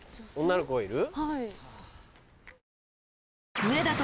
女の子いる？